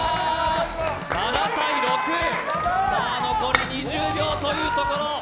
残り２０秒というところ。